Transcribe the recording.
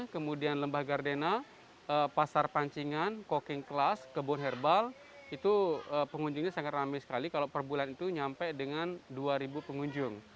kemudian lembah gardena pasar pancingan coking class kebun herbal itu pengunjungnya sangat ramai sekali kalau per bulan itu nyampe dengan dua pengunjung